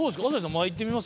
前行ってみます？